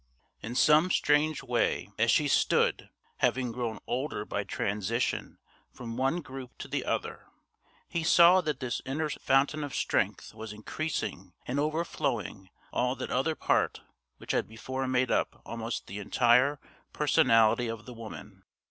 In some strange way as she stood, having grown older by transition from one group to the other, he saw that this inner fountain of strength was increasing and overflowing all that other part which had before made up almost the entire personality of the woman.